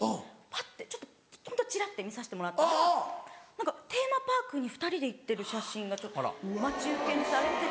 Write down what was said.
パッてホントにちらって見させてもらったらテーマパークに２人で行ってる写真が待ち受けにされてて。